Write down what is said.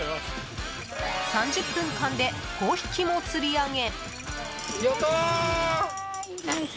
３０分間で５匹も釣り上げ。